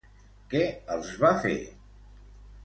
Què els va fer?